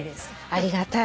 ありがたい。